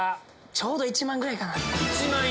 ちょうど１万ぐらいかな。